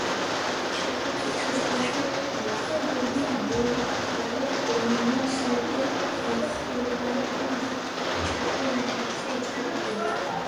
ჩეხოვის სიცოცხლეშივე მოთხრობა ბულგარულ, გერმანულ, სერბო-ხორვატულ და ჩეხურ ენებზე ითარგმნა.